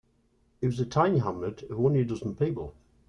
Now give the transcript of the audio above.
It was a tiny hamlet of only a dozen people.